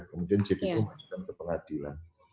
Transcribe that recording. kemudian jpu mengajukan ke pengadilan